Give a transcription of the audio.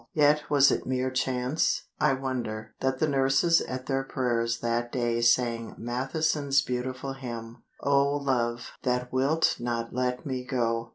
Yet was it mere chance, I wonder, that the nurses at their prayers that day sang Matheson's beautiful hymn—"O Love, that wilt not let me go"?